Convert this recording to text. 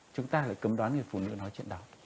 chúng ta lại cấm đoán người phụ nữ nói chuyện đó